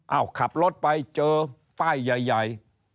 ขับรถไปเจอป้ายใหญ่